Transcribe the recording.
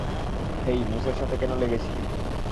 হেই, মুসের সাথে কেন লেগেছিলি?